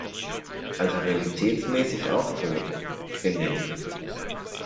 Also realitätsmäßig auch tot - finde ich.